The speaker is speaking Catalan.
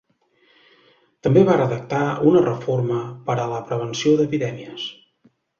També va redactar una reforma per a la prevenció d'epidèmies.